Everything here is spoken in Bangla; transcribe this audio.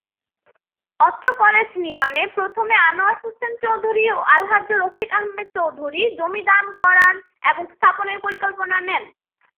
অত্র কলেজ নির্মাণে প্রথমে আনোয়ার হোসেন চৌধুরী ও আলহাজ্ব রফিক আহমদ চৌধুরী জমি দান করেন এবং স্থাপনের পরিকল্পনা নেন।